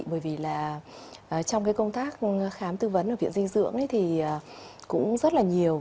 bởi vì là trong cái công tác khám tư vấn ở viện dinh dưỡng thì cũng rất là nhiều